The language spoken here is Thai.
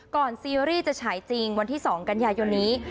ซีรีส์จะฉายจริงวันที่๒กันยายนนี้